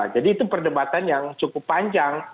jadi itu perdebatan yang cukup panjang